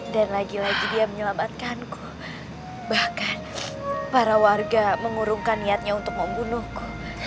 dan lagi lagi dia menyelamatkanku bahkan para warga mengurungkan niatnya untuk membunuhku